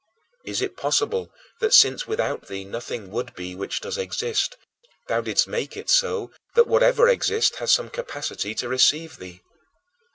Is it possible that, since without thee nothing would be which does exist, thou didst make it so that whatever exists has some capacity to receive thee?